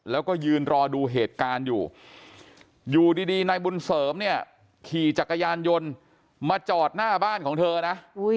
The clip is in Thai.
แล้วก็ยืนรอดูเหตุการณ์อยู่อยู่ดีนายบุญเสริมเนี่ยขี่จักรยานยนต์มาจอดหน้าบ้านของเธอนะ